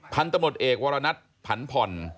พันธมติเอกวรณัติพันธ์ผ่อน